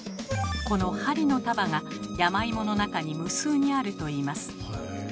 この針の束が山芋の中に無数にあるといいます。